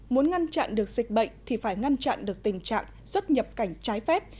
muốn ngăn chặn được dịch bệnh thì phải ngăn chặn được tình trạng xuất nhập cảnh trái phép